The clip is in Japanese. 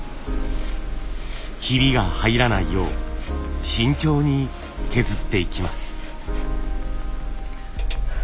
ヒビが入らないよう慎重に削っていきます。